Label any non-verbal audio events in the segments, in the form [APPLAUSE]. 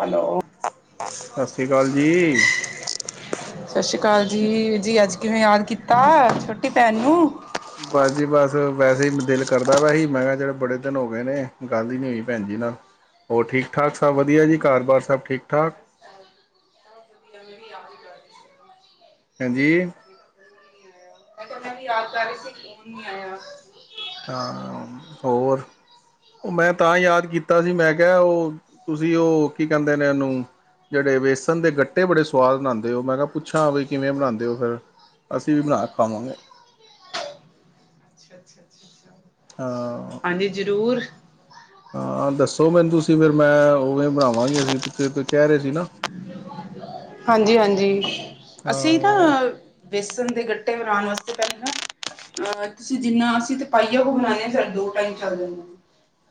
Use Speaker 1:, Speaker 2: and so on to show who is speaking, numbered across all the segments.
Speaker 1: Hello, [UNINTELLIGIBLE]
Speaker 2: Sat Sri ਅਕਾਲ ਜੀ
Speaker 1: ਸਤਿ ਸ਼੍ਰੀ ਅਕਾਲ ਜੀ, ਜੀ ਅੱਜ ਕਿਵੇਂ ਯਾਦ ਕੀਤਾ, ਛੋਟੀ ਭੈਣ ਨੂੰ।
Speaker 2: ਬਸ ਜੀ ਬਸ, ਵੈਸੇ ਹੀ ਦਿਲ ਕਰਦਾ ਪਯਾ ਸੀ, ਮੈਂ ਕਿਹਾ ਜਿਹੜੇ ਬੜੇ ਦਿਨ ਹੋ ਗਏ ਨੇ, ਗੱਲ ਹੀ ਨੀ ਹੋਈ ਭੈਣ ਜੀ ਨਾਲ। ਹੋਰ ਠੀਕ ਠਾਕ ਸਭ ਵਧੀਆ ਜੀ, ਘਰ ਬਾਰ ਸਭ ਠੀਕ ਠਾਕ।
Speaker 1: ਇੰਨਾ ਨੇ ਵੀ ਆਪ ਹੀ
Speaker 2: ਹਾਂਜੀ,
Speaker 1: ਵੈਸੇ ਮੈਂ ਵੀ ਆਲ ਵੈਸੇ ਖੇਮ ਨੀ ਆਇਆ।
Speaker 2: ਹਾਂ ਹੋਰ ਉਹ ਮੈਂ ਤਾਂ ਯਾਦ ਕੀਤਾ ਸੀ, ਮੈਂ ਕਿਹਾ ਉਹ, ਤੁਸੀਂ ਉਹ ਕੀ ਕਹਿੰਦੇ ਨੇ ਉਹਨੂੰ। ਜਿਹੜੇ ਵੇਸਣ ਦੇ ਗੱਟੇ ਬੜੇ ਸਵਾਦ ਬਣਾਉਂਦੇ ਔ, ਮੈਂ ਕਿਹਾ ਪੁੱਛਾਂ, ਬਈ ਕਿਵੇਂ ਬਣਾਉਂਦੇ ਉਹ ਫਿਰ ਅਸੀਂ ਵੀ ਬਣਾ ਕੇ ਖਾਵਾਂਗੇ।
Speaker 1: ਅੱਛਾ ਅੱਛਾ ਅੱਛਾ।
Speaker 2: ਹਾਂ,
Speaker 1: ਹਾਂਜੀ, ਜ਼ਰੂਰ।
Speaker 2: ਹਾਂ ਦੱਸੋ ਮੈਨੂੰ ਤੁਸੀਂ ਫਿਰ ਮੈਂ ਉਵੇ ਬਣਾਵਾਂਗੇ, ਅਸੀਂ ਪਿੱਛੇ ਕਹਿ ਰਹੇ ਸੀ ਨਾ।
Speaker 1: ਹਾਂਜੀ-ਹਾਂਜੀ ਅਸੀਂ ਨਾ
Speaker 2: ਹਾਂ
Speaker 1: ਵੇਸਨ ਦੇ ਗੱਟੇ ਬਣਾਉਣ ਵਾਸਤੇ, ਪਹਿਲੇ ਨਾ। ਅਹ ਤੁਸੀਂ ਜਿੰਨਾ, ਅਸੀਂ ਤੇ ਪਾਈਏ ਕੁ ਬਣਾਨੇ ਆਂ, ਜੇੜਾ ਦੋ ਟਾਈਮ ਚੱਲ ਜਾਂਦਾਂ ਐ।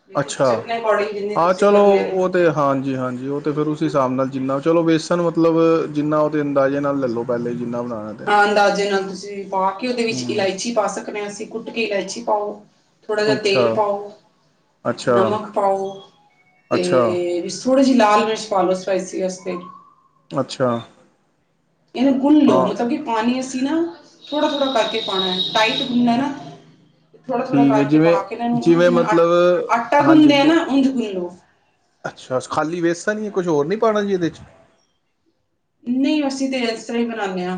Speaker 1: ਲੇਕਿਨ ਤੁਸੀਂ,
Speaker 2: ਅੱਛਾ
Speaker 1: ਆਪਣੇ ਅਕੋਡਿੰਗ ਜਿੰਨੇ
Speaker 2: ਹਾਂ
Speaker 1: ਤੁਸੀਂ
Speaker 2: ਚਲੋ
Speaker 1: ਕਰਨੇ ਹੋਨੇ ਔ।
Speaker 2: ਉਹ ਤੇ ਹਾਂਜੀ ਹਾਂਜੀ, ਉਹ ਤੇ ਫੇਰ ਉਸ ਹਿਸਾਬ ਨਾਲ ਜਿੰਨਾ, ਚਲੋ ਵੇਸਣ ਮਤਲਬ ਜਿੰਨਾ ਉਹਦੇ ਅੰਦਾਜ਼ੇ ਨਾਲ ਲੈ ਲੋ। ਪਹਿਲੇ ਜਿਨਾਂ ਬਣਾ ਨੈ।
Speaker 1: ਹਾਂ ਅੰਦਾਜ਼ੇ ਨਾਲ ਤੁਸੀਂ ਪਾ ਕੇ, ਉਹਦੇ ਵਿੱਚ
Speaker 2: ਹਮ
Speaker 1: ਇਲਾਇਚੀ ਪਾ ਸਕਨੇ ਆ ਅਸੀਂ, ਕੁੱਟ ਕੇ ਇਲਾਇਚੀ ਪਾਓ। ਥੋੜ੍ਹਾ ਜਿਹਾ
Speaker 2: ਅੱਛਾ
Speaker 1: ਤੇਲ ਪਾਓ,
Speaker 2: ਅੱਛਾ
Speaker 1: ਨਮਕ ਪਾਓ,
Speaker 2: ਅੱਛਾ
Speaker 1: ਤੇ ਥੋੜ੍ਹੀ ਜਿਹੀ ਲਾਲ ਮਿਰਚ ਪਾ ਲਓ, ਸਪਾਈਸੀ ਵਾਸਤੇ
Speaker 2: ਅੱਛਾ,
Speaker 1: ਇਹਨੂੰ ਗੁੰਨ ਲਓ,
Speaker 2: ਹਾਂ
Speaker 1: ਮਤਲਬ ਕਿ ਪਾਣੀ ਅਸੀਂ ਨਾ, ਥੋੜ੍ਹਾ ਥੋੜ੍ਹਾ ਕਰਕੇ ਪਾਉਣਾ ਐ, ਟਾਈਟ ਗੁੰਨਣਾ ਨਾ। ਥੋੜਾ ਥੋੜ੍ਹਾ
Speaker 2: ਠੀਕ ਹੈ
Speaker 1: ਕਰਕੇ
Speaker 2: ਜਿਵੇਂ
Speaker 1: ਪਾ ਕੇ, ਇਹਨਾਂ ਨੂੰ ਜਿਵੇਂ
Speaker 2: ਮਤਲਬ
Speaker 1: ਆਟਾ
Speaker 2: ਹਾਂਜੀ
Speaker 1: ਗੁੰਨਦੇ ਆ
Speaker 2: ਜੀ
Speaker 1: ਨਾ ਉਂਝ ਗੁੰਨ ਲੋ।
Speaker 2: ਅੱਛਾ, ਖਾਲੀ ਵੇਸਨ, ਨਹੀਂ ਕੁਛ ਹੋਰ ਨਹੀਂ ਪਾਉਣਾ ਜੀ ਇਹਦੇ 'ਚ।
Speaker 1: ਨਹੀਂ ਅਸੀਂ ਤੇ ਇਸ ਤਰ੍ਹਾਂ ਹੀ ਬਣਾਉਂਨੇ ਆਂ,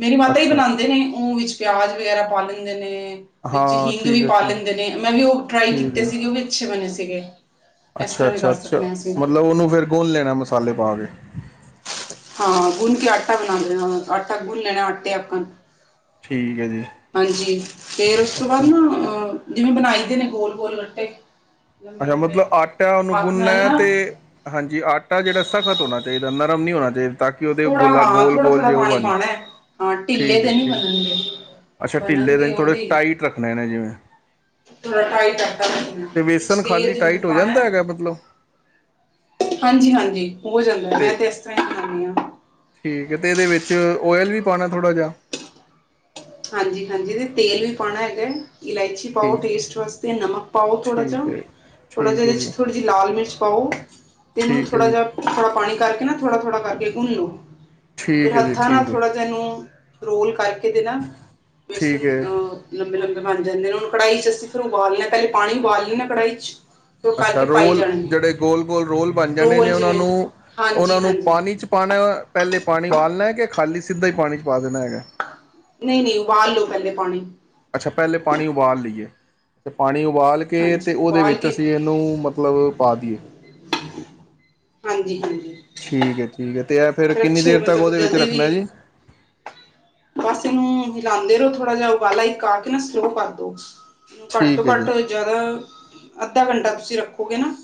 Speaker 1: ਮੇਰੀ ਮਾਤਾ ਹੀ
Speaker 2: ਅੱਛਾ ਠੀਕ
Speaker 1: ਬਣਾਉਂਦੇ ਨੇ, ਉਹ ਵਿੱਚ ਪਿਆਜ਼ ਵਗੈਰਾ ਪਾ ਲੈਂਦੇ ਨੇ। ਵਿੱਚ
Speaker 2: ਹਾਂ
Speaker 1: ਹਿੰਗ
Speaker 2: ਠੀਕ
Speaker 1: ਵੀ
Speaker 2: ਹੈ
Speaker 1: ਪਾ
Speaker 2: ਠੀਕ
Speaker 1: ਲੈਂਦੇ ਨੇ, ਮੈਂ ਵੀ ਉਹ ਟਰਾਈ
Speaker 2: ਠੀਕ
Speaker 1: ਕੀਤੇ
Speaker 2: ਹੈ
Speaker 1: ਸੀ ਗੇ, ਉਹ ਵੀ ਅੱਛੇ ਬਣੇ ਸੀਗੇ। ਇਸ
Speaker 2: ਅੱਛਾ
Speaker 1: ਤਰ੍ਹਾਂ ਵੀ
Speaker 2: ਅੱਛਾ
Speaker 1: ਕਰ
Speaker 2: ਅੱਛਾ
Speaker 1: ਸਕਦੇ ਹਾਂ ਅਸੀਂ
Speaker 2: ਮਤਲਬ ਉਹਨੂੰ ਫਿਰ ਗੁਣ ਲੈਣਾ ਮਸਾਲੇ ਪਾ ਕੇ।
Speaker 1: ਹਾਂ ਗੁੰਨ ਕੇ ਆਟਾ ਬਣਾਉਂ ਦੇਨਾ, ਆਟਾ ਗੁੰਨ ਲੈਣਾ ਆਟੇ ਆਕਣ।
Speaker 2: ਠੀਕ ਹੈ ਜੀ
Speaker 1: ਹਾਂਜੀ, ਫੇਰ ਉਸ ਤੋਂ ਬਾਅਦ
Speaker 2: ਅੱਛਾ
Speaker 1: ਨਾ ਅ ਜਿਵੇਂ ਬਣਾਈ ਦੇ ਨੇ, ਗੋਲ ਗੋਲ ਗੱਟੇ।
Speaker 2: ਅੱਛਾ
Speaker 1: ਲੰਬੇ-ਲੰਬੇ
Speaker 2: ਮਤਲਬ, ਆਟਾ ਉਹਨੂੰ
Speaker 1: ਹੱਥ
Speaker 2: ਗੁਨਨਾ
Speaker 1: ਨਾਲ
Speaker 2: ਐ,
Speaker 1: ਨਾ
Speaker 2: ਤੇ ਹਾਂਜੀ ਆਟਾ ਜਿਹੜਾ ਸਖ਼ਤ ਹੋਣਾ ਚਾਹੀਦਾ, ਨਰਮ ਨਹੀਂ ਹੋਣਾ ਚਾਹੀਦਾ। ਤਾਂ ਕਿ ਉਹਦੇ
Speaker 1: ਥੋੜਾ
Speaker 2: ਗੋਲਾ,
Speaker 1: ਹਾਂ
Speaker 2: ਗੋਲ ਗੋਲ
Speaker 1: ਥੋੜਾ-ਥੋੜਾ
Speaker 2: ਜੇ ਉਹ
Speaker 1: ਪਾਣੀ
Speaker 2: ਬਣ
Speaker 1: ਪਾਣਾ ਹੈ ਹਾਂ ਢਿੱਲੇ
Speaker 2: ਠੀਕ ਹੈ
Speaker 1: ਤੇ ਨਹੀਂ
Speaker 2: ਠੀਕ।
Speaker 1: ਬਣਨਗੇ
Speaker 2: ਅੱਛਾ ਢਿੱਲੇ
Speaker 1: ਬਣਨਗੇ
Speaker 2: ਦੇ, ਥੋੜ੍ਹੇ ਟਾਈਟ ਰੱਖਣੇ ਨੇ, ਜਿਵੇਂ
Speaker 1: ਥੋੜ੍ਹਾ ਟਾਈਟ ਆਟਾ ਘੁਣਨਾ ਐ,
Speaker 2: ਤੇ
Speaker 1: ਵਿੱਚ
Speaker 2: ਵੇਸਣ
Speaker 1: ਤੇਲ
Speaker 2: ਖਾਲੀ
Speaker 1: ਜ਼ਰੂਰ
Speaker 2: ਟਾਈਟ ਹੋ
Speaker 1: ਪਾਉਣਾ
Speaker 2: ਜਾਂਦਾ
Speaker 1: ਹੈ।
Speaker 2: ਹੈਗਾ ਮਤਲਬ
Speaker 1: ਹਾਂਜੀ ਹਾਂਜੀ ਹੋ ਜਾਂਦਾ, ਮੈਂ ਤੇ ਇਸ ਤਰ੍ਹਾਂ ਹੀ ਬਣਾਨੀ ਆਂ।
Speaker 2: ਠੀਕ ਹੈ, ਤੇ ਇਹਦੇ ਵਿੱਚ ਓਇਲ ਵੀ ਪਾਉਣਾ ਥੋੜ੍ਹਾ ਜਿਹਾ
Speaker 1: ਹਾਂਜੀ ਹਾਂਜੀ, ਤੇ ਤੇਲ ਵੀ ਪਾਉਣਾ ਹੈਗਾ, ਇਲਾਇਚੀ ਪਾਓ
Speaker 2: ਠੀਕ
Speaker 1: ਟੇਸਟ ਵਾਸਤੇ, ਨਮਕ ਪਾਓ ਥੋੜਾ ਜਿਹਾ,
Speaker 2: ਠੀਕ ਹੈ
Speaker 1: ਥੋੜਾ
Speaker 2: ਠੀਕ
Speaker 1: ਜਿਯਾ
Speaker 2: ਹੈ
Speaker 1: ਇਹਦੇ ਚ
Speaker 2: ਜੀ
Speaker 1: ਥੋੜੀ ਲਾਲ ਮਿਰਚ ਪਾਓ, ਤੇ ਹੁਣ
Speaker 2: ਠੀਕ ਹੈ
Speaker 1: ਥੋੜ੍ਹਾ
Speaker 2: ਜੀ
Speaker 1: ਜਿਹਾ ਥੋੜਾ ਪਾਣੀ ਕਰਕੇ ਨਾ, ਥੋੜਾ ਥੋੜਾ ਕਰਕੇ ਗੁੰਨ ਲੋ, ਫਿਰ
Speaker 2: ਠੀਕ ਹੈ ਜੀ
Speaker 1: ਹੱਥਾਂ
Speaker 2: ਠੀਕ
Speaker 1: ਨਾਲ
Speaker 2: ਹੈ
Speaker 1: ਥੋੜਾ ਜਿਹਾ ਇਹਨੂੰ ਰੋਲ ਕਰਕੇ ਦੇ ਨਾ, ਵੇਸਣ
Speaker 2: ਠੀਕ ਹੈ
Speaker 1: ਲੰਬੇ ਲੰਬੇ ਬਣ ਜਾਂਦੇ ਨੇ, ਔ ਨੂੰ ਕੜਾਹੀ ਚ ਅਸੀਂ ਫਿਰ ਉਹਨੂੰ ਉਬਾਲ ਲੈਣਾ, ਪਹਿਲੇ ਪਾਣੀ ਉਬਾਲ ਲੈਣਾ ਹੈ, ਕੜਾਹੀ 'ਚ। ਫਿਰ ਉਹ
Speaker 2: ਅੱਛਾ
Speaker 1: ਕਰਕੇ ਪਾਈ
Speaker 2: ਰੋਲ
Speaker 1: ਜਾਣੇ ਨੇ
Speaker 2: ਜਿਹੜੇ ਗੋਲ ਗੋਲ ਰੋਲ ਬਣ ਜਾਣੇ
Speaker 1: ਰੋਲ
Speaker 2: ਨੇ, ਉਹਨਾਂ
Speaker 1: ਜਿਵੇਂ
Speaker 2: ਨੂੰ ਉਹਨਾਂ ਨੂੰ
Speaker 1: ਹਾਂਜੀ-ਹਾਂਜੀ
Speaker 2: ਪਾਣੀ 'ਚ। ਪਾਉਣਾ ਐ, ਪਹਿਲੇ ਪਾਣੀ ਉਬਾਲਣਾ ਹੈ, ਕਿ ਖਾਲੀ ਸਿੱਧਾ ਹੀ ਪਾਣੀ ਚ ਪਾ ਦੇਣਾ ਹੈਗਾ ਹੈ।
Speaker 1: ਨਹੀਂ ਨਹੀਂ ਉਬਾਲ ਲੋ ਪਹਿਲੇ ਪਾਣੀ।
Speaker 2: ਅੱਛਾ ਪਹਿਲੇ ਪਾਣੀ ਉਬਾਲ ਲਈ ਏ, ਫੇਰ ਪਾਣੀ ਉਬਾਲ ਕੇ, ਤੇ
Speaker 1: ਹਾਂਜੀ
Speaker 2: ਉਹਦੇ
Speaker 1: ਉਬਾਲ
Speaker 2: ਵਿੱਚ
Speaker 1: ਕੇ
Speaker 2: ਅਸੀਂ ਇਹਨੂੰ, ਮਤਲਬ ਮਤਲਬ ਉਹ ਪਾ ਦੀਏ।
Speaker 1: ਹਾਂਜੀ- ਹਾਂਜੀ।
Speaker 2: ਠੀਕ ਐ-ਠੀਕ ਐ, ਤੇ ਇਹ ਫਿਰ ਕਿੰਨੀ ਦੇਰ ਤੱਕ
Speaker 1: ਮਤਲਬ
Speaker 2: ਉਹਦੇ ਵਿੱਚ
Speaker 1: ਜਲਦੀ
Speaker 2: ਰੱਖਣਾ
Speaker 1: ਵੀ
Speaker 2: ਜੀ।
Speaker 1: ਬਸ ਇਹਨੂੰ ਹਿਲਾਂਦੇ ਰਹੋ, ਥੋੜਾ ਜਿਹਾ ਉਬਾਲਾ ਇੱਕ ਆ ਕੇ ਨਾ, ਸਲੋਅ ਕਰ ਦੋ। ਘੱਟ ਤੋਂ
Speaker 2: ਠੀਕ ਹੈ ਜੀ
Speaker 1: ਘੱਟ ਜਿਆਦਾ, ਅੱਧਾ ਘੰਟਾ ਤੁਸੀਂ ਰੱਖੋਗੇ ਨਾ।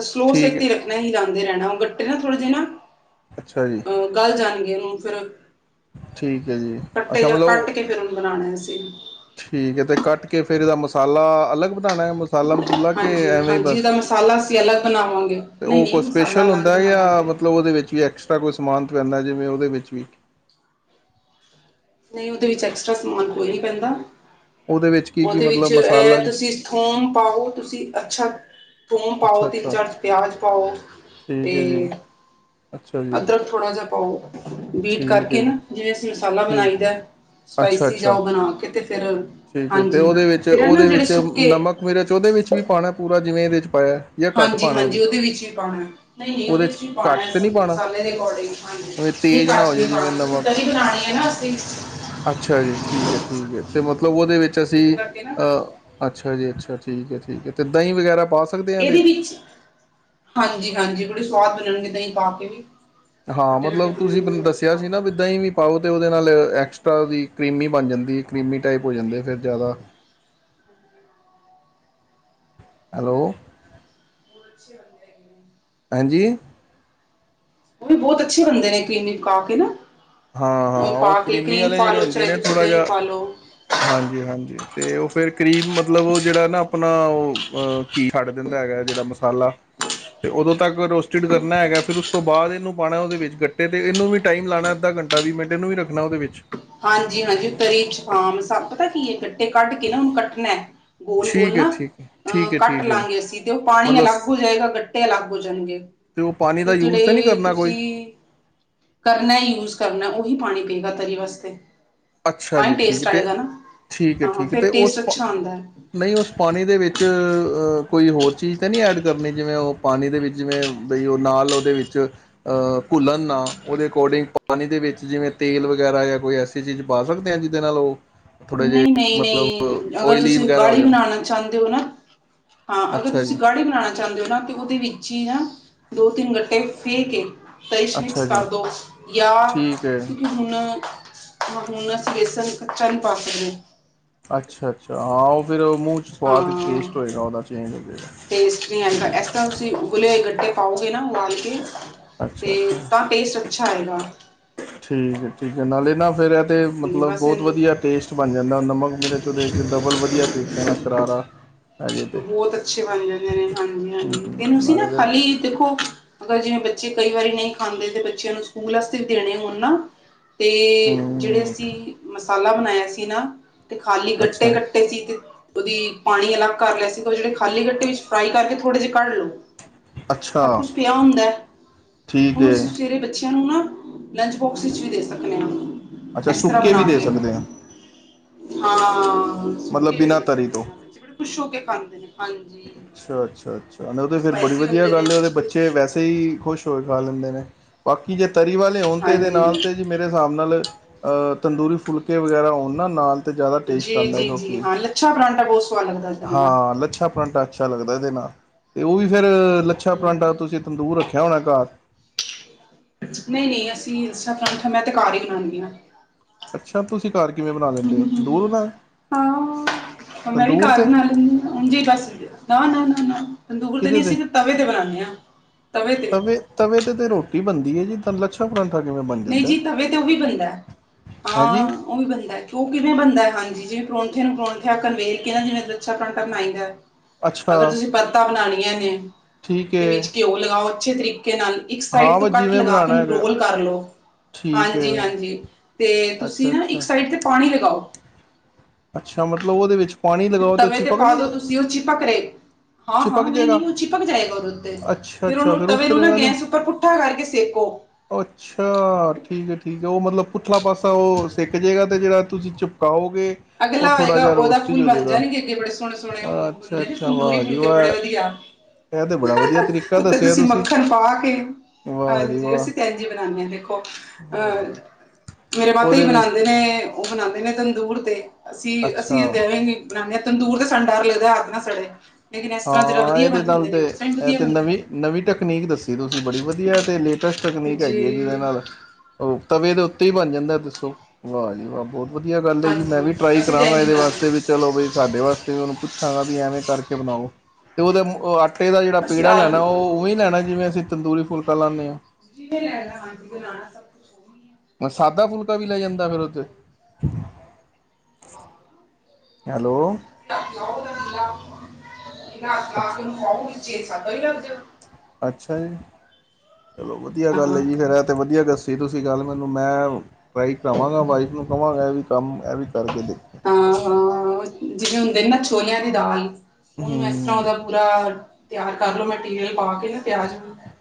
Speaker 1: ਸਲੋਅ
Speaker 2: ਠੀਕ
Speaker 1: ਸੇਕ
Speaker 2: ਹੈ।
Speaker 1: ਤੇ ਰੱਖਣਾ, ਹਿਲਾਂਦੇ ਰਹਿਣਾ, ਉਹ ਗੱਟੇ ਨਾ ਥੋੜੇ ਜੇ ਨਾ
Speaker 2: ਅੱਛਾ ਜੀ।
Speaker 1: ਗਲ਼ ਜਾਣਗੇ ਹੁਣ ਫਿਰ।
Speaker 2: ਠੀਕ ਐ ਜੀ।
Speaker 1: ਕੱਟੇ
Speaker 2: ਅੱਛਾ
Speaker 1: ਜਾਣ,
Speaker 2: ਮਤਲਬ
Speaker 1: ਕੱਟ ਕੇ ਫਿਰ ਉਹਨੂੰ ਬਣਾਣਾ ਅਸੀਂ।
Speaker 2: ਠੀਕ ਐ, ਤੇ ਕੱਟ ਕੇ ਫਿਰ ਇਹਦਾ ਮਸਾਲਾ ਅਲੱਗ ਬਣਾਣਾ ਮ ਮਸਾਲਾ ਮਸੂਲਾ ਕਿ
Speaker 1: ਹਾਂਜੀ
Speaker 2: ਐਵੇਂ ਹੀ
Speaker 1: ਹਾਂਜੀ
Speaker 2: ਬਸ,
Speaker 1: ਇਹਦਾ ਮਸਾਲਾ ਅਸੀਂ ਅਲੱਗ ਬਣਾਵਾਂਗੇ
Speaker 2: ਤੇ
Speaker 1: ਨਹੀਂ
Speaker 2: ਉਹ
Speaker 1: ਨਹੀਂ
Speaker 2: ਕੋਈ
Speaker 1: ਮਸਾਲਾ
Speaker 2: ਸਪੈਸ਼ਲ
Speaker 1: ਅਲੱਗ
Speaker 2: ਹੁੰਦਾ ਜਾਂ
Speaker 1: ਬਣਾਵਾਂਗੇ
Speaker 2: ਮਤਲਬ ਉਹਦੇ ਵਿੱਚ ਵੀ ਐਕਸਟਰਾ ਕੋਈ ਸਮਾਨ ਤੋਂ ਪੈਂਂਦਾ, ਜਿਵੇਂ ਉਹਦੇ ਵਿੱਚ ਵੀ
Speaker 1: ਨਹੀਂ ਉਹਦੇ ਵਿੱਚ ਐਕਸਟਰਾ ਸਮਾਨ ਕੋਈ ਨੀ ਪੈਂਦਾ,
Speaker 2: ਉਹਦੇ ਵਿੱਚ ਕੀ ਕੀ
Speaker 1: ਉਹਦੇ ਵਿੱਚ
Speaker 2: ਮਤਲਬ ਮਸਾਲਾ
Speaker 1: ਇਹ
Speaker 2: ਜੀ
Speaker 1: ਤੁਸੀਂ ਥੋਮ ਪਾਓ, ਤੁਸੀਂ ਅੱਛਾ ਥੋਮ ਪਾਓ,
Speaker 2: ਅੱਛਾ
Speaker 1: ਤਿੰਨ
Speaker 2: ਅੱਛਾ
Speaker 1: ਚਾਰ ਪਿਆਜ਼ ਪਾਓ,
Speaker 2: ਠੀਕ
Speaker 1: ਤੇ
Speaker 2: ਹੈ ਜੀ ਅੱਛਾ ਜੀ।
Speaker 1: ਥੋੜ੍ਹਾ ਜਾ ਪਾਓ ਬੀਟ
Speaker 2: ਠੀਕ ਹੈ
Speaker 1: ਕਰਕੇ
Speaker 2: ਜੀ
Speaker 1: ਨਾ, ਜਿਵੇਂ ਅਸੀਂ ਮਸਾਲਾ ਬਣਾਈ
Speaker 2: ਠੀਕ
Speaker 1: ਦੈ।
Speaker 2: ਅੱਛਾ
Speaker 1: ਸਪਾਈਸੀ ਜਾਂ
Speaker 2: ਅੱਛਾ
Speaker 1: ਉਹ ਬਣਾ ਕੇ ਤੇ ਫਿਰ,
Speaker 2: ਠੀਕ
Speaker 1: ਹਾਂਜੀ, ਫਿਰ ਇਹ ਨਾ ਜਿਹੜੇ ਸੁੱਕੇ
Speaker 2: ਉਵੇਂ ਦਾ ਉਹਦੇ ਵਿੱਚ ਵੀ ਪਾਣਾ ਪੂਰਾ, ਜਿਵੇਂ ਇਹਦੇ ਵਿਚ ਪਾਇਆ। ਜਾਂ ਘੱਟ
Speaker 1: ਹਾਂਜੀ-
Speaker 2: ਪਾਉਣਾ
Speaker 1: ਹਾਂਜੀ ਉਹਦੇ ਵਿੱਚ ਵੀ ਪਾਣਾ, ਨਹੀਂ- ਨਹੀਂ ਉਹਦੇ
Speaker 2: ਚ
Speaker 1: ਵਿੱਚ ਵੀ ਪਾਣਾ,
Speaker 2: ਘੱਟ ਤੇ
Speaker 1: ਅਸੀਂ
Speaker 2: ਨਹੀਂ ਪਾਉਣਾ
Speaker 1: ਮਸਾਲੇ ਦੇ ਅਕੋਡਿੰਗ। ਹਾਂਜੀ,
Speaker 2: ਜਿਵੇਂ
Speaker 1: ਨਹੀਂ
Speaker 2: ਤੇਜ਼ ਨਾ ਹੋ ਜਾਏ
Speaker 1: ਕੜਛੀ
Speaker 2: ਜਿਵੇਂ
Speaker 1: ਮਾਰਦੋ, ਕਿਉਂਕਿ ਤਰੀ
Speaker 2: ਨਮਕ
Speaker 1: ਬਣਾਣੀ ਹੈ ਨਾ ਅਸੀਂ।
Speaker 2: ਅੱਛਾ ਜੀ, ਠੀਕ ਐ-ਠੀਕ ਐ, ਤੇ ਮਤਲਬ ਉਹਦੇ ਵਿੱਚ
Speaker 1: ਉਹਦੇ
Speaker 2: ਅਸੀਂ
Speaker 1: ਕਰਕੇ ਨਾ
Speaker 2: ਅਹ ਅੱਛਾ ਜੀ ਅੱਛਾ, ਠੀਕ ਐ-ਠੀਕ ਐ, ਤੇ ਦਹੀਂ ਵਗੈਰਾ। ਪਾ ਸਕਦੇ ਹਾਂ ਚ
Speaker 1: ਇਹਦੇ ਵਿੱਚ ਹਾਂਜੀ- ਹਾਂਜੀ ਬੜੇ ਸਵਾਦ ਬਣਨਗੇ, ਦਹੀਂ ਪਾ ਕੇ ਵੀ।
Speaker 2: ਹਾਂ,
Speaker 1: ਖੱਟੇ ਖੱਟੇ
Speaker 2: ਮਤਲਬ ਤੁਸੀਂ ਮੈਨੂੰ
Speaker 1: ਬਣਨਗੇ
Speaker 2: ਦੱਸਿਆ ਸੀ ਨਾ ਵੀ ਦਹੀਂ ਨਹੀਂ ਪਾਉ, ਤੇ ਉਹਦੇ ਨਾਲ ਐਕਸਟਰਾ ਉਹਦੀ ਕਰੀਮੀ ਬਣ ਜਾਂਦੀ ਐ, ਕਰੀਮੀ ਟਾਈਪ ਹੋ ਜਾਂਦੇ ਫਿਰ ਜ਼ਾਦਾ। ਹੈਲੋ।
Speaker 1: ਹੁਣ ਅੱਛੇ ਲੱਗ ਰਹੇ ਨੇ।
Speaker 2: ਭੈਣ ਜੀ।
Speaker 1: ਉਹ ਵੀ ਬਹੁਤ ਅੱਛੇ ਬਣਦੇ ਨੇ, ਕਰੀਮੀ ਪਾ ਕੇ ਨਾ।
Speaker 2: ਹਾਂ- ਹਾਂ, ਉਹ
Speaker 1: ਪਾ ਕੇ
Speaker 2: ਕਰੀਮੀ
Speaker 1: ਕਰੀਮ
Speaker 2: ਵਾਲੇ
Speaker 1: ਪਾ
Speaker 2: ਜਿਹੜੇ
Speaker 1: ਲਓ
Speaker 2: ਹੁੰਦੇ
Speaker 1: ਚਾਹੇ
Speaker 2: ਨੇ
Speaker 1: ਤੁਸੀਂ
Speaker 2: ਥੋੜ੍ਹਾ
Speaker 1: ਦਹੀਂ
Speaker 2: ਜਾ,
Speaker 1: ਪਾ ਲਓ
Speaker 2: ਹਾਂਜੀ- ਹਾਂਜੀ। ਤੇ ਉਹ ਫੇਰ ਕਰੀਮ ਮਤਲਬ ਉਹ ਜਿਹੜਾ ਨਾ ਆਪਣਾ ਉਹ ਕੀ ਛੱਡ ਦਿੰਦਾ ਹੈਗਾ, ਜਿਹੜਾ ਮਸਾਲਾ। ਤੇ ਉਦੋਂ ਤੱਕ ਰੋਸਟਿਡ ਕਰਨਾ ਹੈਗਾ, ਫਿਰ ਉਸ ਤੋਂ ਬਾਅਦ ਇਹਨੂੰ ਪਾਣਾ ਉਹਦੇ ਵਿੱਚ ਗੱਟੇ ਤੇ, ਇਹਨੂੰ ਵੀ ਟਾਈਮ ਲਾਣਾ। ਅੱਧਾ ਘੰਟਾ, ਵੀਹ ਮਿੰਟ ਇਹਨੂੰ ਵੀ ਰੱਖਣਾ ਉਹਦੇ ਵਿੱਚ।
Speaker 1: ਹਾਂਜੀ- ਹਾਂਜੀ, ਉਹ ਤਰੀ ਹਾਂ ਪਤਾ ਕੀ ਹੈ, ਗੱਟੇ ਕੱਢ ਕੇ ਨਾ ਹੁਣ ਕੱਟਣਾ। ਗੋਲ-ਗੋਲ
Speaker 2: ਠੀਕ ਹੈ
Speaker 1: ਨਾ
Speaker 2: ਠੀਕ ਹੈ ਠੀਕ
Speaker 1: ਅਹ
Speaker 2: ਹੈ
Speaker 1: ਕੱਟ
Speaker 2: ਠੀਕ ਹੈ
Speaker 1: ਲਾਂਗੇ ਅਸੀਂ, ਤੇ ਉਹ ਪਾਣੀ
Speaker 2: ਮਤਲਬ
Speaker 1: ਅਲੱਗ ਹੋ
Speaker 2: ਅਤੇ
Speaker 1: ਜਾਏਗਾ, ਗੱਟੇ ਅਲੱਗ ਹੋ ਜਾਣਗੇ।
Speaker 2: ਉਹ ਪਾਣੀ ਦਾ
Speaker 1: ਤੇ
Speaker 2: ਯੂਜ ਤਾਂ ਨਹੀਂ
Speaker 1: ਜਿਹੜੇ ਇਹ
Speaker 2: ਕਰਨਾ ਕੋਈ
Speaker 1: ਤੁਸੀਂ ਕਰਨਾ ਯੂਜ ਕਰਨਾ, ਉਹੀ ਪਾਣੀ ਪੇਂਦਾ ਤਰੀ ਵਾਸਤੇ।
Speaker 2: ਅੱਛਾ
Speaker 1: ਤਾਂਹੀ
Speaker 2: ਜੀ ਠੀਕ
Speaker 1: ਟੇਸਟ
Speaker 2: ਤੇ
Speaker 1: ਆਏਗਾ ਨਾ,
Speaker 2: ਠੀਕ ਹੈ
Speaker 1: ਹਾਂ
Speaker 2: ਠੀਕ ਤੇ
Speaker 1: ਫੇਰ
Speaker 2: ਉਸ
Speaker 1: ਟੇਸਟ ਅੱਛਾ ਆਂਦਾ।
Speaker 2: ਨਹੀਂ ਉਸ ਪਾਣੀ ਦੇ ਵਿੱਚ, ਕੋਈ ਹੋਰ ਚੀਜ਼ ਤਾਂ ਨਹੀਂ ਐਡ ਕਰਨੀ ਜਿਵੇਂ ਉਹ ਪਾਣੀ ਦੇ ਵਿੱਚ, ਜਿਵੇਂ ਬਈ ਉਹ ਨਾਲ ਉਹਦੇ ਵਿੱਚ ਅਹ ਘੁੱਲਣ ਨਾ, ਉਹਦੇ ਅਕੋਰਡਿੰਗ ਪਾਣੀ ਦੇ ਵਿੱਚ ਜਿਵੇਂ ਤੇਲ ਵਗੈਰਾ ਜਾਂ ਕੋਈ ਐਸੀ ਕੋਈ ਚੀਜ਼ ਪਾ ਸਕਦੇ ਹਾਂ, ਜਿਹਦੇ ਨਾਲ ਉਹ ਥੋੜ੍ਹੇ ਜਿਹੇ
Speaker 1: ਨਹੀਂ- ਨਹੀਂ-
Speaker 2: ਮਤਲਬ
Speaker 1: ਨਹੀਂ, ਅਗਰ
Speaker 2: ਓਇਲੀ
Speaker 1: ਤੁਸੀਂ
Speaker 2: ਵਗੈਰਾ ਹੋ
Speaker 1: ਗਾੜੀ
Speaker 2: ਜਾਣ
Speaker 1: ਬਣਾਣਾ ਚਾਹੁੰਦੇ ਹੋ ਨਾ ਹਾਂ, ਅਗਰ
Speaker 2: ਅੱਛਾ
Speaker 1: ਤੁਸੀਂ
Speaker 2: ਜੀ
Speaker 1: ਗਾੜੀ ਬਣਾਣਾ ਚਾਂਹਦੇ ਹੋ ਨਾ, ਤੇ ਉਹਦੇ ਵਿੱਚ ਹੀ ਨਾ ਦੋ ਤਿੰਨ ਗੱਟੇ ਫੇਹ ਕੇ ਤਾਈਸ਼
Speaker 2: ਅੱਛਾ
Speaker 1: ਮਿਕਸ
Speaker 2: ਜੀ
Speaker 1: ਕਰ ਦੋ, ਜਾਂ
Speaker 2: ਠੀਕ ਹੈ
Speaker 1: ਹੁਣ-ਹੁਣ ਅਸੀ ਬੇਸਣ ਕੱਚਾ ਨੀ ਪਾ ਸਕਦੇ।
Speaker 2: ਅੱਛਾ-ਅੱਛਾ, ਹਾਂ ਉਹ ਫਿਰ ਮੂੰਹ 'ਚ ਸਵਾਦ ਟੇਸਟ
Speaker 1: ਹਾਂ
Speaker 2: ਹੋਏਗਾ ਉਹਦਾ ਚੇਂਜ ਹੋ ਜਾਏਗਾ
Speaker 1: ਟੇਸਟ ਨਹੀਂ ਆਂਦਾ,
Speaker 2: ਠੀਕ
Speaker 1: ਇਸ
Speaker 2: ਹੈ
Speaker 1: ਤਰ੍ਹਾਂ ਤੁਸੀਂ ਉਬਲੇ ਹੋ ਗੰਡੇ ਖਾਓਗੇ ਨਾ ਉਬਾਲ ਕੇ ਤੇ
Speaker 2: ਅੱਛਾ ਅੱਛਾ
Speaker 1: ਤਾਂ ਟੇਸਟ ਅੱਛਾ ਆਏਗਾ।
Speaker 2: ਠੀਕ ਹੈ-ਠੀਕ ਹੈ ਨਾਲੇ ਨਾ ਫੇਰ ਇਹ ਤੇ ਮਤਲਬ ਬਹੁਤ ਵਧੀਆ। ਟੇਸਟ ਬਣ ਜਾਂਦਾ। ਨਮਕ, ਮਿਰਚ ਉੱਦੇ ਚ' ਡਬਲ ਵਧੀਆ ਤਰੀਕੇ ਨਾਲ ਕਰਾਰਾ। ਹੈਜੇ ਤੇ
Speaker 1: ਬਹੁਤ ਅੱਛੇ ਬਣ ਜਾਂਦੇ ਨੇ।
Speaker 2: ਹੂੰ
Speaker 1: ਹਾਂਜੀ-ਹਾਂਜੀ ਇਹਨੂੰ ਸੀ ਨਾ
Speaker 2: ਨਾਲੇ ਤੇ
Speaker 1: ਖਾਲੀ ਦੇਖੋ ਅਗਰ ਜਿਵੇਂ ਬੱਚੇ ਕਈ ਵਾਰੀ ਨਹੀਂ ਖਾਂਦੇ ਤੇ ਬੱਚਿਆਂ ਨੂੰ ਸਕੂਲ ਵਾਸਤੇ ਵੀ ਦੇਣੇ ਹੋਣ ਨਾ ਤੇ ਜਿਹੜੇ
Speaker 2: ਹੂੰ
Speaker 1: ਅਸੀਂ ਮਸਾਲਾ ਬਣਾਇਆ ਸੀ ਨਾ। ਤੇ ਖਾਲੀ ਗੱਟੇ
Speaker 2: ਅੱਛਾ
Speaker 1: ਕੱ ਤੇ ਉਹਦੀ ਪਾਣੀ ਅਲੱਗ ਕਰ ਲਿਆ ਸੀਗਾ ਉਹ ਜਿਹੜੇ ਖਾਲੀ ਗੱਟੇ ਵਿੱਚ ਫਰਾਈ ਕਰਕੇ ਥੋੜੇ ਜਿਹੇ ਕੱਢ ਲੋ।
Speaker 2: ਅੱਛਾ
Speaker 1: ਸਭ ਕੁਛ ਪਿਆ ਹੁੰਦਾ ਹੈ।
Speaker 2: ਠੀਕ
Speaker 1: ਉਹਨੂੰ
Speaker 2: ਹੈ
Speaker 1: ਸਵੇਰੇ ਬੱਚਿਆਂ ਨੂੰ ਨਾ ਲੰਚ ਬੋਕਸ ਵਿੱਚ ਵੀ ਦੇ ਸਕਦੇ ਹਾਂ।
Speaker 2: ਅੱਛਾ
Speaker 1: ਇਸ ਤਰ੍ਹਾਂ
Speaker 2: ਸੁੱਕੇ ਵੀ
Speaker 1: ਬਣਾ
Speaker 2: ਦੇ
Speaker 1: ਕੇ ਹਾਂ।
Speaker 2: ਸਕਦੇ ਮਤਲਬ
Speaker 1: ਸੁੱਕੇ ਵੀ
Speaker 2: ਬਿਨਾਂ
Speaker 1: ਦੇ
Speaker 2: ਤਰੀ
Speaker 1: ਸਕਦੇ
Speaker 2: ਤੋਂ।
Speaker 1: ਹਾਂ ਬੱਚੇ ਬੜੇ ਖੁਸ਼ ਹੋ ਕੇ ਪਾਉਂਦੇ ਨੇ। ਹਾਂਜੀ
Speaker 2: ਅੱਛਾ- ਅੱਛਾ -ਅੱਛਾ ਉਹ ਤੇ ਫੇਰ ਬੜੀ
Speaker 1: ਸਪਾਈਸੀ
Speaker 2: ਵਧੀਆ
Speaker 1: ਹੁੰਦੇ ਨੇ
Speaker 2: ਗੱਲ ਹੈ। ਉਹਦੇ
Speaker 1: ਬੜੇ
Speaker 2: ਬੱਚੇ
Speaker 1: ਖੁਸ਼ ਹੋ
Speaker 2: ਵੈਸੇ
Speaker 1: ਕੇ
Speaker 2: ਹੀ ਖੁਸ਼ ਖਾ ਲੈਂਦੇ ਨੇ। ਬਾਕੀ ਜੇ ਤਰੀ ਵਾਲੇ ਹੋਣ ਤੇਦੇ
Speaker 1: ਹਾਂਜੀ
Speaker 2: ਨਾਲ ਤੇ ਜ ਮੇਰੇ ਹਿਸਾਬ ਨਾਲ ਅਹ ਤੰਦੂਰੀ ਫੁਲਕੇ ਵਗੈਰਾ ਆਉਣ ਨਾ ਨਾਲ ਤਾਂ ਜ਼ਿਆਦਾ ਟੇਸਟ
Speaker 1: ਜੀ
Speaker 2: ਆਉਂਦਾ ਹੈ।
Speaker 1: ਜੀ ਜੀ
Speaker 2: ਕਿਉਂਕਿ
Speaker 1: ਹਾਂ ਲੱਛਾ ਪਰਾਂਠਾ ਬੋਸ
Speaker 2: ਹਾਂ, ਲੱਛਾ ਪਰਾਂਟਾ ਅੱਛਾ ਲੱਗਦਾ। ਇਹਦੇ ਨਾਲ ਤੇ ਉਹ ਵੀ ਫੇਰ ਲੱਛਾ ਪਲਾਂਠਾ ਤੁਸੀਂ ਤੰਦੂਰ ਰੱਖਿਆ ਹੋਣਾ ਘਰ।
Speaker 1: ਨਹੀਂ-ਨਹੀਂ ਅਸੀਂ ਇੰਸਟਾਗ੍ਰਾਮ ਮੈਂ ਤੇ ਘਰ ਹੀ ਬਣਾਉਂਦੀ ਹਾਂ।
Speaker 2: ਅੱਛਾ। ਤੁਸੀਂ ਘਰ ਕਿਵੇਂ ਬਣਾ ਲੈਂਦੇ ਹੋ। ਤੰਦੂਰ ਬਣਾਆ। ਤੰਦੂਰ ਤੇ
Speaker 1: ਹਾਜੀ। ਬਸ ਨਾ-ਨਾ ਨਾ-ਨਾ ਤੰਦੂੂਰ ਤੇ ਨੀ ਅਸੀਂ ਤਵੇ ਤੇ ਬਣਾਉਂਦੇ ਹਾਂ। ਤਵੇ ਤੇ
Speaker 2: ਤਵੇ ਤੇ-ਤੇ ਰੋਟੀ ਬਣਦੀ ਹੈ ਜੀ। ਤਨ ਲੱ ਐ ਪਰਾਠਾਂ ਕਿਵੇਂ ਬਨਦਾ।
Speaker 1: ਨਹੀਂ ਜੀ। ਤਵੇ ਤੇ ਉਹ ਵੀ ਬਣਦਾ।
Speaker 2: ਹੈਂ
Speaker 1: ਹਾਂ।
Speaker 2: ਜੀ
Speaker 1: ਉਹ ਵੀ ਬੰਨਦਾ ਹੈ। ਉਹ ਕਿਵੇਂ ਬੰਨਦਾ ਹੈ। ਹਾਂਜੀ, ਜਿਵੇਂ ਪਰੌਠੇ ਨੂੰ ਪਰੌਠੇ ਵਕਨ ਵੇਖ ਕੇ ਜਿਵੇ ਲੱਛਾ ਪਰਾਂਠਾ ਬਣਾਈਦਾ। ਹ
Speaker 2: ਅੱਛਾ
Speaker 1: ਅਗਰ ਤੁਸੀਂ ਪਰਤਾਾਂ ਬਣਾਉਣੀਆਂ ਨੇ।
Speaker 2: ਠੀਕ
Speaker 1: ਤੇ ਵਿੱਚ
Speaker 2: ਹੈ
Speaker 1: ਘਿਓ ਲਗਾਓ ਅੱਛੇ ਤਰੀਕੇ ਨਾਲ ਇੱਕ ਸਾਈਡ
Speaker 2: ਹਾਂ
Speaker 1: ਤੋਂ
Speaker 2: ਬਸ
Speaker 1: ਕੱਟ
Speaker 2: ਜਿਵੇਂ
Speaker 1: ਲਗਾ ਕੇ
Speaker 2: ਬਣਾਉਣਾ
Speaker 1: ਉਹਨੂੰ
Speaker 2: ਹੈਗਾ
Speaker 1: ਰੋਲ ਕਰ ਲਓ।
Speaker 2: ਠੀਕ ਹੈ
Speaker 1: ਹਾਂਜੀ-ਹਾਂਜੀ ਤੇ
Speaker 2: ਅੱਛਾ
Speaker 1: ਤੁਸੀਂ ਨਾ ਇੱਕ
Speaker 2: ਅੱਛਾ
Speaker 1: ਸਾਈਡ ਤੇ ਪਾਣੀ ਲਗਾਓ।
Speaker 2: ਅੱਛਾ। ਮਤਲਬ ਉਹਦੇ ਵਿੱਚ ਪਾਣੀ ਲਗਾਓ ਤੇ ਉਹ ਚੀਪਕ ਨਹੀਂ
Speaker 1: ਉ ਚਿਪਕ ਹਾਂ-ਹਾਂ,
Speaker 2: ਚਿਪਕ ਜਾਏਗਾ
Speaker 1: ਨਹੀਂ-ਨਹੀਂ ਉਹ ਚਿਪਕ ਜਾਏਗਾ। ਉੱਦੇ ਉਤੇ
Speaker 2: ਅੱਛਾ
Speaker 1: ਫੇਰ
Speaker 2: ਅੱਛਾ
Speaker 1: ਉਹਨੂੰ
Speaker 2: ਫਿਰ
Speaker 1: ਤਵੇ ਨੂੰ ਨਾ
Speaker 2: ਉਤਰੇਗਾ
Speaker 1: ਗੈਸ ਉੱਪਰ ਪੁੱਠਾ ਕਰਕੇ ਸੇਕੋ।
Speaker 2: ਅੱਛ। ਅੱਛਾ। ਠੀਕ ਹੈ-ਠੀਕ ਹੈ ਉਹ ਮਤਲਬ ਪੁੱਠਲਾ ਪਾਸਾ ਉਹ ਸਿੱਕ ਜਾਵੇਗਾ ਅਤੇ ਜਿਹੜਾ ਤੁਸੀਂ ਚਿਪਕਾਓਗੇ ਉਹ
Speaker 1: ਅਗਲਾ
Speaker 2: ਥੋੜ੍ਹਾ
Speaker 1: ਹੋਏਗਾ
Speaker 2: ਜਿਹਾ
Speaker 1: ਉਹਦਾ
Speaker 2: ਰੋਸਟ
Speaker 1: ਫੁੱਲ
Speaker 2: ਹੋ
Speaker 1: ਬਣ
Speaker 2: ਜਾਏਗਾ
Speaker 1: ਜਾਣਗੇ ਅੱਗੇ ਬੜੇ ਸੋਹਣੇ-ਸੋਹਣੇ ਉਹ
Speaker 2: ਅੱਛਾ
Speaker 1: ਹੁੰਦੇ
Speaker 2: ਅੱਛਾ
Speaker 1: ਤੰਦੂਰੀ
Speaker 2: ਵਾਹ ਜੀ
Speaker 1: ਫੁੱਲ
Speaker 2: ਵਾਹ
Speaker 1: ਬੜੇ ਵਧੀਆ।
Speaker 2: ਇਹ ਤੇ ਬੜਾ ਵਧੀਆ ਤਰੀਕਾ
Speaker 1: ਉੱਤੇੇ
Speaker 2: ਦੱਸਿਆ
Speaker 1: ਤੁਸੀਂ ਮੱਖਣ ਪਾ ਕੇ
Speaker 2: ਵਾਹ ਜੀ
Speaker 1: ਹਾਂਜੀ।
Speaker 2: ਵਾਹ
Speaker 1: ਅਸੀਂ ਤੇ ਇੰਜ ਬਣਾਉਾਨਦੇ ਹਾਂ ਦੇਖੋ। ਅਹ ਮੇਰੇ ਮਾਤਾ ਹੀ
Speaker 2: ਉਹਦੇ ਵਿੱਚ
Speaker 1: ਬਣਾਉਂਦੇ ਨੇ ਉਹ ਬਨਾਉਂਦੇ ਨੇ ਤੰਦੂਰ ਤੇ। ਅਸੀਂ-ਅਸੀਂ ਇਹ
Speaker 2: ਅੱਛਾ
Speaker 1: ਦ ਬਣਾਦੇ ਹ ਤਦੂਰ ਤੇ ਸਨ ਡਰ ਲਗਦਾ ਹੱਥ ਨਾ ਸੜੇ। ਲੇਕਿਨ ਇਸ ਤਰ੍ਹਾਂ ਜਿਹੜਾ
Speaker 2: ਹਾਂ।
Speaker 1: ਵਧੀਆ
Speaker 2: ਇਹਦੇ
Speaker 1: ਬਣ
Speaker 2: ਨਾਲੱ
Speaker 1: ਜਾਂਦੇ
Speaker 2: ਤੇ
Speaker 1: ਨੇ ਉਸ ਤਰ੍ਹਾਂ ਹੀ
Speaker 2: ਇਹ
Speaker 1: ਵਧੀਆ
Speaker 2: ਤਿੰ
Speaker 1: ਬਣਦੇ
Speaker 2: ਨਵੀ
Speaker 1: ਨੇ
Speaker 2: ਨਵੀਂ ਤਕਨੀਕ ਦੱਸੀ ਤੁਸੀਂ ਬੜੀ ਵਧੀਆ ਅਤੇ ਲੇਟੈਸਟ ਤਕਨੀਕ
Speaker 1: ਜੀ
Speaker 2: ਹੈਗੀ ਹੈ ਜਿਹਦੇ ਨਾਲ ਉਹ ਤਵੇ ਦੇ ਉੱਤੇ ਹੀ ਬਣ ਜਾਂਦਾ। ਦੱਸੋ, ਵਾਹ ਜੀ ਵਾਹ! ਬਹੁ ਵਧੀਆ ਗੱਲ ਹੈ ਜੀ। ਮੈਂ
Speaker 1: ਹਾਂਜੀ
Speaker 2: ਵੀ ਟਰਾਈ
Speaker 1: ਅਸੀਂ ਤਾਂ
Speaker 2: ਕਰਾਂਗਾ
Speaker 1: ਇੰਝ ਹੀ
Speaker 2: ਇਹਦੇ
Speaker 1: ਬਣਾਉਂਦੇ
Speaker 2: ਵਾਸਤੇ ਵਿੱਚ ਚਲੋ ਬਈ ਸਾਡੇ ਵਾਸਤੇ ਵੀ ਉਹਨੂੰ ਪੁੱਛਾਂਗਾ ਵੀ ਐਵੇਂ ਕਰਕੇ ਬਣਾਓ। ਤੇ ਉਹਦੇ ਓ ਆਟੇ ਦਾ ਜੇੜਾ
Speaker 1: ਹਾਂ ਅਸੀਂ
Speaker 2: ਪੇੜਾ ਲੈਣਾ
Speaker 1: ਆਲੂ
Speaker 2: ਉਹ ਉਵੇਂ ਈ ਲੈਣਾ ਜਿਵੇਂ ਅਸੀਂ ਤੰਦੂਰੀ ਫੁਲਕਾ ਲਾਣੇ ਆਂ।
Speaker 1: ਐਥੇ ਲੇ ਆ ਜੇ ਲਾਨਾਤੇ।
Speaker 2: ਅ ਸਾਦਾ ਫੁਲਕਾ ਵੀ ਲੈ ਯੰਦੇ ਫੇਰ ਉੱਥੇ?
Speaker 1: [INAUDIBLE]
Speaker 2: ਹੈਲੋ, ਅੱਛਾ
Speaker 1: [UNINTELLIGIBLE]
Speaker 2: ਅੱਛਾ ਜੀ, ਚਲੋ ਵਧੀਆ ਗੱਲ ਐ ਜੀ ਫੇਰ ਇਹ ਤਾਂ ਵਧੀਆ ਦਸ ਤੇ ਤੁਸੀਂ ਕੱਲ ਮੈਨੂੰ ਮੈਂ ਟਰਾਈ ਕਰਾਵਾਂਗਾ ਵਾਈਫ ਨੂੰ ਕਵਾਂਗਾ ਇਹ ਵੀ ਕੰਮ ਇਹ ਵੀ ਕਰਕੇ ਦੇਖ।
Speaker 1: ਹਾਂ ਹਾਂ ਹਾਂ, ਜਿਵੇਂ ਹੁੰਦੇ ਨੇ ਨਾ ਛੋਲਿਆਂ ਦੀ ਦਾਲ ਉਹਨੂੰ ਐਸ ਤਰ੍ਹਾਂ
Speaker 2: ਹੂੰ
Speaker 1: ਉਹਦਾ ਪੂਰਾ ਤਿਆਰ ਕਰਲੋ ਮਟੀਰੀਅਲ ਤੇਲ ਪਾ ਕੇ ਨਾ ਪਿਆਜ਼,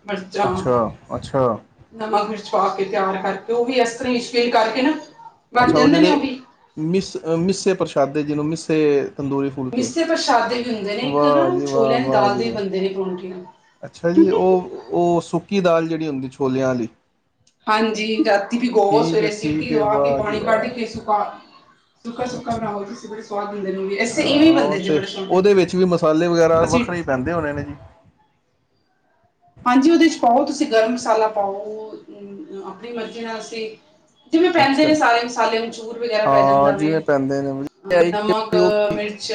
Speaker 1: ਮਰਚਾਂ।
Speaker 2: ਅੱਛਾ ਅੱਛਾ
Speaker 1: ਨਮਕ, ਮਿਰਚ ਪਾ ਕੇ ਤਿਆਰ ਕਰਕੇ ਉਹ ਵੀ ਇਸ ਤਰ੍ਹਾਂ ਈਸ਼ਕੇ ਕਰਕੇ ਨਾ ਬਣ
Speaker 2: ਅੱਛਾ ਉਹ
Speaker 1: ਜਾਂਦੇ ਨੇ
Speaker 2: ਜਿਹੜੇ
Speaker 1: ਵੀ
Speaker 2: ਮਿਸ ਮਿਸੇ ਪ੍ਰਸ਼ਾਦੇ ਜਿਹਨੂੰ ਮਿੱਸੇ, ਤੰਦੂਰੀ ਫੁਲਕੇ
Speaker 1: ਮਿੱਸੇ ਪ੍ਰਸ਼ਾਦੇ ਵੀ ਹੁੰਦੇ ਨੇ ਇੱਕ
Speaker 2: ਵਾਹ
Speaker 1: ਨਾ
Speaker 2: ਜੀ ਵਾਹ,
Speaker 1: ਛੋਲਿਆਂ ਦੀ
Speaker 2: ਵਾਹ
Speaker 1: ਦਾਲ
Speaker 2: ਜੀ
Speaker 1: ਦੇ ਵੀ
Speaker 2: ਵਾਹ।
Speaker 1: ਬਣਦੇ ਨੇ ਪਰੌਂਠੀਆਂ
Speaker 2: ਅੱਛਾ ਜੀ ਉਹ-ਉਹ ਸੁੱਕੀ ਦਾਲ ਜਿਹੜੀ ਹੁੰਦੀ ਛੋਲਿਆਂ ਅਲੀ।
Speaker 1: ਹਾਂਜੀ ਰਾਤੀ ਬਿਗੋ
Speaker 2: ਠੀਕ ਹੈ
Speaker 1: ਸਵੇਰੇ ਸਿਟੀ
Speaker 2: ਠੀਕ ਹੈ
Speaker 1: ਦਵਾ ਕੇ
Speaker 2: ਵਾਹ ਜੀ
Speaker 1: ਪਾਣੀ ਕੱਢ ਕੇ
Speaker 2: ਵਾਹ
Speaker 1: ਸੁੱਕਾ ਸੁੱਕਾ-ਸੁੱਕਾ
Speaker 2: ਅੱਛਾ
Speaker 1: ਬਣਾਓ ਤੁਸੀਂ ਬੜੇ ਸਵਾਦ ਬਣਦੇ ਨੇ ਓਵੀ ਐਸੇ
Speaker 2: ਹਾਂ
Speaker 1: ਇਵੇਂ ਬੰਦੇ
Speaker 2: ਉਹ
Speaker 1: ਜੇ
Speaker 2: ਤੇ
Speaker 1: ਬੜੇ ਸੋਹਣੇ ਅਸੀਂ
Speaker 2: ਰਹਿੰਦੇ ਹੋਣੇ ਨੇ ਜੀ
Speaker 1: ਹਾਂਜੀ ਉਹਦੇ ਚ ਪਾਓ ਤੁਸੀਂ ਗਰਮ ਮਸਾਲਾ ਪਾਓ ਅ ਆਪਣੀ ਮਰਜ਼ੀ ਨਾਲ ਅਸੀਂ ਜਿਵੇਂ ਪੈਂਦੇ
Speaker 2: ਅੱਛਾ
Speaker 1: ਨੇ ਸਾਰੇ ਮਸਾਲੇ ਮਚੂਰ ਵਗੈਰਾ ਪੈ ਜਾਂਦੇ
Speaker 2: ਹਾਂ ਜਿਵੇਂ ਪੈਂਦੇ ਨੇ ਇਹ ਹੈ
Speaker 1: ਅ ਨਮਕ, ਮਿਰਚ।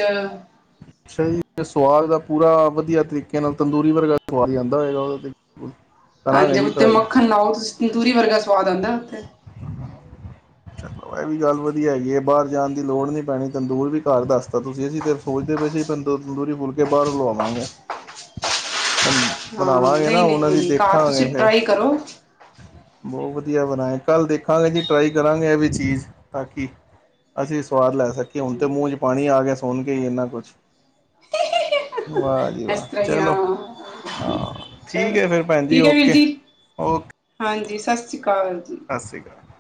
Speaker 2: ਅੱਛਾ ਜੀ, ਸੁਵਾਦ ਤਾ ਪੂਰਾ ਵਧੀਆ ਤਰੀਕੇ ਨਾਲ ਤੰਦੂਰੀ ਵਰਗਾ ਸੁਵਾਦ ਈ ਆਂਦਾ ਹੋਏਗਾ ਉਹਦਾ ਤੇ। [INAUDIBLE]
Speaker 1: ਹਾਂਜੀ,
Speaker 2: ਜੀ
Speaker 1: ਉੱਤੇ
Speaker 2: ਟਰਾਈ
Speaker 1: ਮੱਖਣ ਲਾਓ ਤੁਸੀਂ ਤੰਦੂਰੀ ਵਰਗਾ ਸਵਾਦ ਆਂਦੇ ਉਥੇ।
Speaker 2: [INAUDIBLE] ਚਲੋ ਇਹ ਵੀ ਗੱਲ ਵਧੀਆ ਹੈਗੀ ਏ ਬਾਹਰ ਜਾਣ ਦੀ ਲੋੜ ਨੀ ਪੈਣੀ ਤੰਦੂਰ ਵੀ ਘਰ ਦੱਸ ਤਾਂ ਤੁਸੀਂ ਅਸੀਂ ਤੇ ਸੋਚਦੇ ਪਏ ਸੀ ਤੰਦੂਰ ਤੰਦੂਰੀ ਫੁਲਕੇ ਬਾਹਰੋ ਲਵਾਵਾਂਗੇ ਤੰ
Speaker 1: ਹਾਂ
Speaker 2: ਬਣਾਵਾਂਗੇ ਨਾ
Speaker 1: ਨਹੀਂ ਨਹੀਂ ਨਹੀਂ
Speaker 2: ਹੁਣ ਅਸੀਂ
Speaker 1: ਨਹੀਂ ਘਰ
Speaker 2: ਦੇਖਾਂਗੇ ਫੇਰ।
Speaker 1: [UNINTELLIGIBLE]
Speaker 2: ਬਹੁਤ ਵਧੀਆ ਬਣਾਏ ਕੱਲ੍ਹ ਦੇਖਾਂਗੇ ਜੀ ਟਰਾਈ ਕਰਾਂਗੇ ਇਹ ਵੀ ਚੀਜ਼ ਤਾਂ ਕਿ ਅਸੀਂ ਵੀ ਸਵਾਦ ਲੈ ਸਕੀਏ ਹੁਣ ਤੇ
Speaker 1: ਹਮ,
Speaker 2: ਮੂੰਹ ਚ ਪਾਣੀ ਆ ਗਿਆ ਸੁਣ ਕੇ ਈ ਏਨਾ ਕੁਛ। ਵਾਹ ਜੀ
Speaker 1: ਇਸ
Speaker 2: ਵਾਹ
Speaker 1: ਤਰ੍ਹਾਂ ਹੀ
Speaker 2: ਚਲੋ।
Speaker 1: ਹਾਂ
Speaker 2: ਹਾਂ ਠੀਕ
Speaker 1: ਚਲੋ
Speaker 2: ਐ ਫੇਰ ਭੈਣਜੀ
Speaker 1: ਠੀਕ ਹੈ ਵੀਰ ਜੀ
Speaker 2: ਓਕੇ-ਓਕੇ।
Speaker 1: ਹਾਂਜੀ ਸਤਿ ਸ਼੍ਰੀ ਕਾਲ ਜੀ।
Speaker 2: ਸਾਸਰੀ ਕਾਲ।